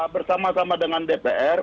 bersama sama dengan dpr